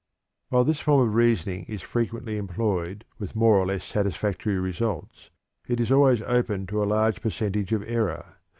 While this form of reason is frequently employed with more or less satisfactory results, it is always open to a large percentage of error.